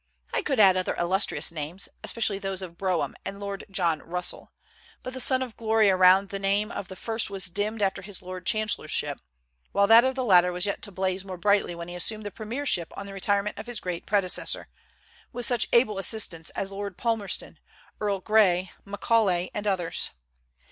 I could add other illustrious names, especially those of Brougham and Lord John Russell; but the sun of glory around the name of the first was dimmed after his lord chancellorship, while that of the latter was yet to blaze more brightly when he assumed the premiership on the retirement of his great predecessor, with such able assistants as Lord Palmerston, Earl Grey, Macaulay, and others.